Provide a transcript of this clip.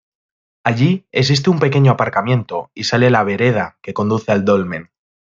Allí existe un pequeño aparcamiento y sale la vereda que conduce al dolmen.